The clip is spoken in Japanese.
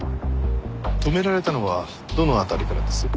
止められたのはどの辺りからです？